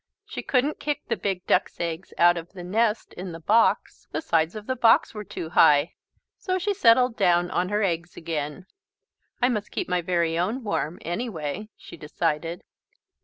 She couldn't kick the big duck's eggs out of the nest in the box. The sides of the box were too high. So she settled down on her eggs again. "I must keep my very own warm, anyway," she decided.